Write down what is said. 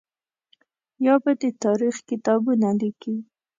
یا به د تاریخ کتابونه لیکي.